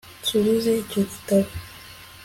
nsubize icyo gitabo